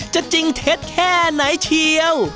จริงเท็จแค่ไหนเชียว